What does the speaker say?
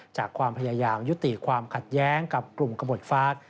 จากความพยายามยุติความขัดแย้งกับกลุ่มกระบดฟาร์ก